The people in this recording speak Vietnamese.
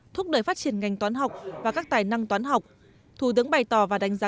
thúc đẩy phát triển ngành toán học và các tài năng toán học thủ tướng bày tỏ và đánh giá